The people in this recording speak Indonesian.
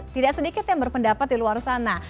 tidak sedikit yang berpendapat di luar sana